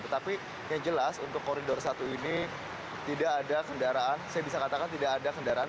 tetapi yang jelas untuk koridor satu ini tidak ada kendaraan